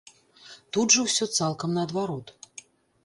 Тут жа ўсё цалкам наадварот.